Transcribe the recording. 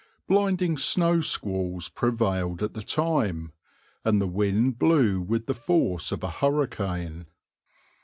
Blinding snow squalls prevailed at the time, and the wind blew with the force of a hurricane.